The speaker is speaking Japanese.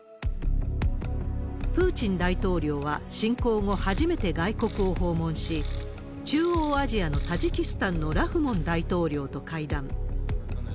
プーチン大統領は侵攻後初めて外国を訪問し、中央アジアのタジキスタンのラフモン大統領と会談。